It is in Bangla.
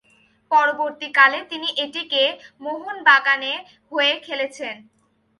পরবর্তীকালে, তিনি এটিকে মোহনবাগানের হয়ে খেলেছেন।